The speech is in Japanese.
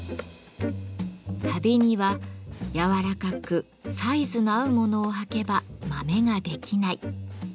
旅には柔らかくサイズの合うものを履けばまめができない。